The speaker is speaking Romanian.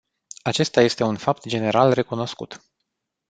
Acesta este un fapt general recunoscut.